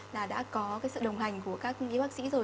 là đã có cái sự đồng hành của các y bác sĩ rồi